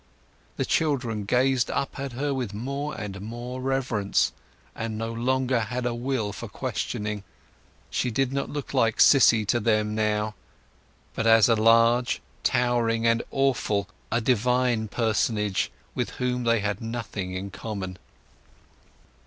The children gazed up at her with more and more reverence, and no longer had a will for questioning. She did not look like Sissy to them now, but as a being large, towering, and awful—a divine personage with whom they had nothing in common.